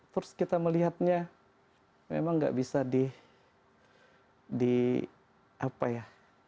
terus kita melihatnya memang nggak bisa di apa ya